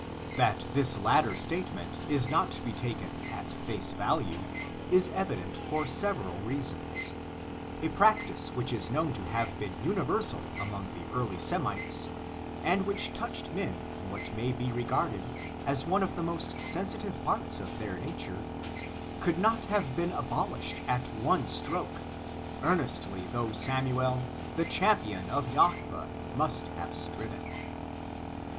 That this latter statement is not to be taken au pied de la lettre is evident for several reasons : a practice which is known to have been universal among the early Semites, and which touched men in what may be regarded as one of the most sensitive parts of their nature, could not have been abolished at one stroke, earnestly though Samuel, the champion of Jahwe, must have striven.